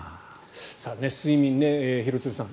睡眠、廣津留さん